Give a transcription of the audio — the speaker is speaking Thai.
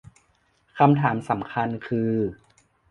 คำถามสำคัญคือ